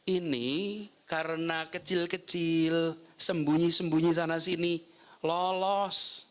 ini karena kecil kecil sembunyi sembunyi sana sini lolos